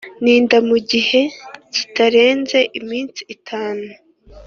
Nida mu gihe kitarenze iminsi itanu